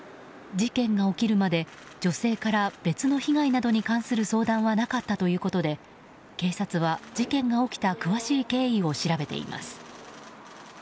事件が起きるまで女性から別の被害などに関する相談はなかったということで警察は事件が起きた詳しい経緯を調べています。